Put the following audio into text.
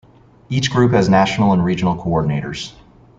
Each group has national and regional coordinators.